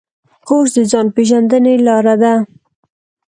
کورس د ځان پېژندنې لاره ده.